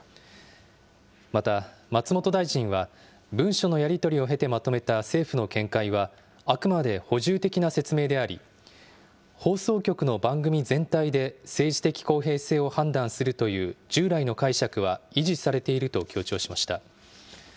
また、松本大臣は、文書のやり取りを経てまとめた政府の見解は、あくまで補充的な説明であり、放送局の番組全体で政治的公平性を判断するという従来の解釈は維持されていると強調しました。